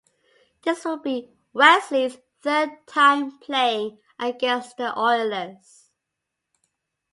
This would be Wesley's third time playing against the Oilers.